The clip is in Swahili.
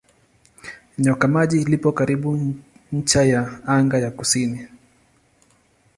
Nyoka Maji lipo karibu ncha ya anga ya kusini.